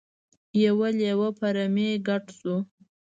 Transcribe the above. یو لیوه په رمې ګډ شو.